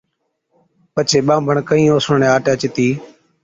پڇي ٻانڀڻ ڪھين اوسڻوڙي آٽي چتِي